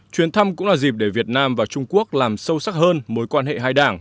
chuyến thăm cũng là dịp để việt nam và trung quốc làm sâu sắc hơn mối quan hệ hai đảng